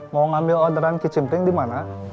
mau ngambil orderan kecimpring dimana